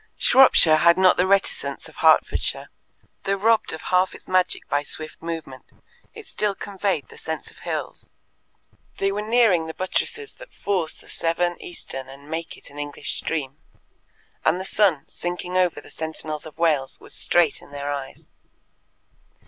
Shropshire had not the reticence of Hertfordshire. Though robbed of half its magic by swift movement, it still conveyed the sense of hills. They were nearing the buttresses that force the Severn eastern and make it an English stream, and the sun, sinking over the Sentinels of Wales, was straight in their eyes.